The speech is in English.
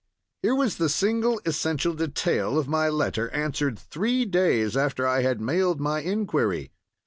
Here was the single essential detail of my letter answered three days after I had mailed my inquiry.